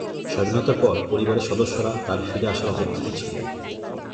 স্বাধীনতার পর পরিবারের সদস্যরা তার ফিরে আসার অপেক্ষায় ছিলেন।